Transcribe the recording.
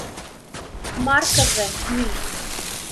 Маркыже «Иж».